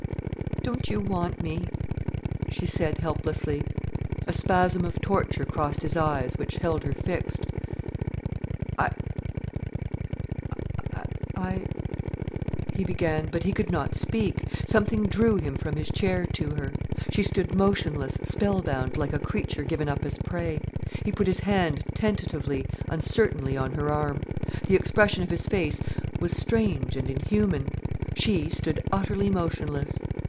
"Don't you want me?" she said helplessly. A spasm of torture crossed his eyes, which held her fixed. "I—I——" he began, but he could not speak. Something drew him from his chair to her. She stood motionless, spellbound, like a creature given up as prey. He put his hand tentatively, uncertainly, on her arm. The expression of his face was strange and inhuman. She stood utterly motionless.